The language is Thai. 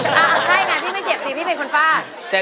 ใช่ไงพี่ไม่เจ็บสิพี่เป็นคนฟาด